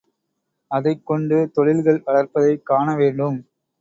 அதைக் கொண்டு தொழில்கள் வளர்ப்பதைக் காண வேண்டும்.